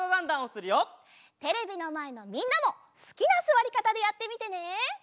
テレビのまえのみんなもすきなすわりかたでやってみてね！